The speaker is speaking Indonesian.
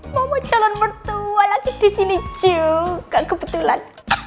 mama jalan mertua lagi di sini juga kebetulan